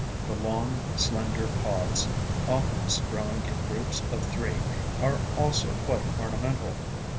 The long, slender pods, oftenest growing in groups of three, are also quite ornamental.